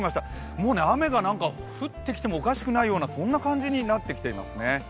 もう雨が降ってきてもおかしくないような天気になってますね。